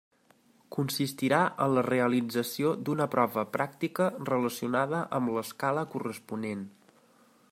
Consistirà en la realització d'una prova pràctica relacionada amb l'escala corresponent.